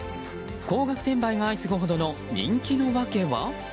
高額転売が相次ぐほどの人気の訳は？